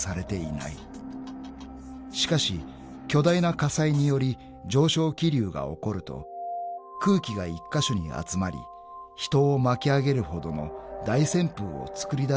［しかし巨大な火災により上昇気流が起こると空気が１カ所に集まり人を巻き上げるほどの大旋風をつくり出すことがあるという］